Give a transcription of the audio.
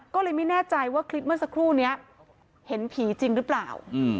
ก็เลยไม่แน่ใจว่าคลิปเมื่อสักครู่นี้เห็นผีจริงหรือเปล่า